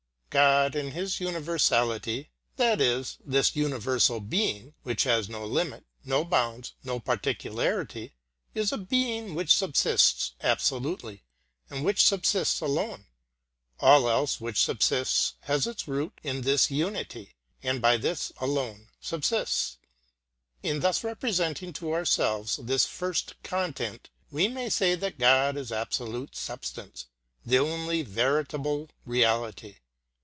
God in His universality that is, this universal Being which has no limit, no bounds, no particularity is a Being which subsists absolutely, and which subsists alone; all else which subsists has its root in this unity, and by this alone subsists. In thus representing to ourselves this first content we may say that God is absolute substance, the only veritable reality.